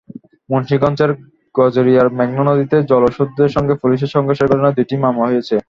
মুন্সিগঞ্জের গজারিয়ায় মেঘনা নদীতে জলদস্যুদের সঙ্গে পুলিশের সংঘর্ষের ঘটনায় দুটি মামলা হয়েছে।